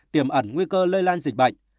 tiềm ẩn nguy cơ lây lan dịch bệnh